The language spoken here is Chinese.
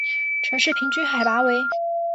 城市平均海拔为。